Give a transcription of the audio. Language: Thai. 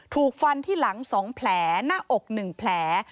ถูกฟันที่หลัง๒แผลหน้าอก๑แผล